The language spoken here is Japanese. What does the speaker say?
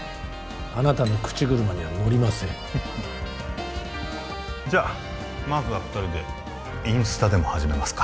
あなたの口車には乗りませんフフじゃあまずは二人でインスタでも始めますか？